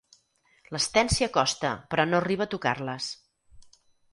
L'Sten s'hi acosta, però no arriba a tocar-les.